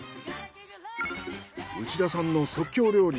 内田さんの即興料理。